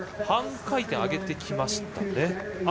半回転上げてきましたね。